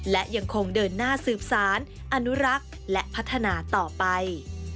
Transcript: และยังคงเดินหน้าสืบสารอนุรักษ์และพัฒนาต่อไป